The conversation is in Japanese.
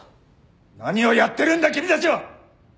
何をやってるんだ君たちは！